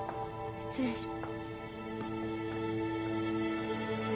失礼しま。